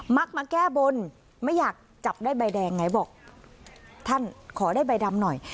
มาแก้บนไม่อยากจับได้ใบแดงไงบอกท่านขอได้ใบดำหน่อย